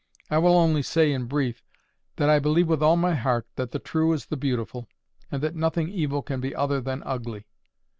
I will only say in brief, that I believe with all my heart that the true is the beautiful, and that nothing evil can be other than ugly.